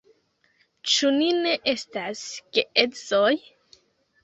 Ĉu ni ne estas geedzoj?